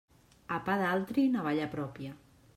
A pa d'altri, navalla pròpia.